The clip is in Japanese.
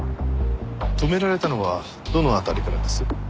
止められたのはどの辺りからです？